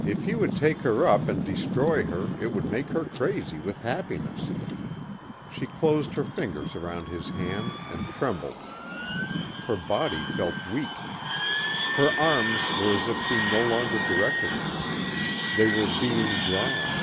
If he would take her up and destroy her it would make her crazy with happiness. She closed her fingers around his hand and trembled. Her body felt weak. Her arms were as if she no longer directed them. They were being drawn.